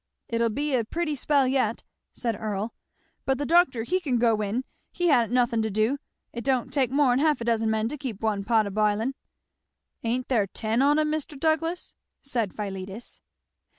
"It'll be a pretty spell yet," said Earl; "but the doctor, he can go in, he ha'n't nothin' to do. It don't take more'n half a dozen men to keep one pot a bilin'." "Ain't there ten on 'em, Mr. Douglass?" said Philetus.